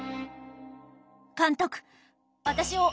監督